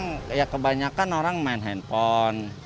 biasanya kadang kadang ya kebanyakan orang main handphone